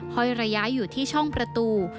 ห้อยระยะอยู่ที่ช่องประตู